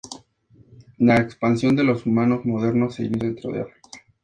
La expansión de los humanos modernos se inicia dentro de África.